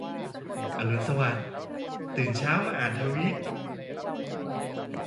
อรุณสวัสดิ์ ตื่นเช้ามาอ่านทวิต